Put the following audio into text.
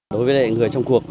đối với người trong cuộc